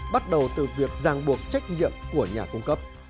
bắt đầu từ việc giang buộc trách nhiệm của nhà cung cấp